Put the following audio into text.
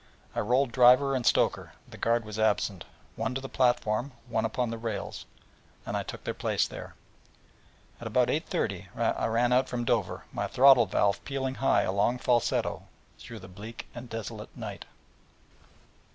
I rolled driver and stoker the guard was absent one to the platform, one upon the rails: and I took their place there. At about 8.30 I ran out from Dover, my throttle valve pealing high a long falsetto through the bleak and desolate night.